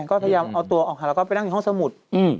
ก็พยายามเอาตัวออกค่ะแล้วก็ไปนั่งอยู่ห้องสมุด